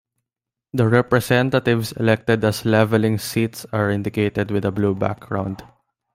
The representatives elected as leveling seats are indicated with a blue background.